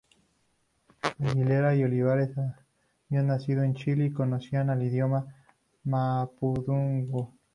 Aguilera y Olivares habían nacido en Chile y conocían el idioma mapudungún.